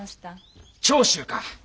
長州か。